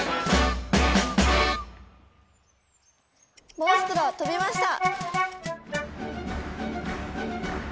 モンストロが飛びました！